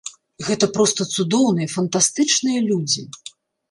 Гэта проста цудоўныя, фантастычныя людзі.